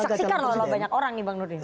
itu nanti disaksikan loh banyak orang